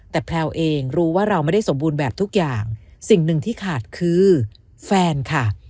แต่แพลวเองรู้ว่าเราไม่ได้สมบูรณ์แบบทุกอย่างสิ่งหนึ่งที่ขาดคือแฟนค่ะ